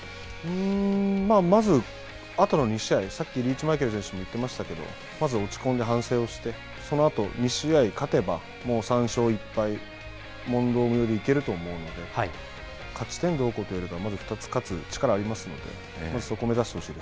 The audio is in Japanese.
まず、あとの２試合、さっきリーチマイケル選手も言ってましたけど、まず落ち込んで反省をして、そのあと２試合勝てば、もう３勝１敗、問答無用でいけると思っているので、勝ち点どうこうというよりかは、まず２つ勝つ力ありますので、そこを目指してほし